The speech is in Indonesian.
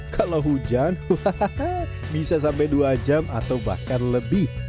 kalau hujan bisa sampai dua jam atau bahkan lebih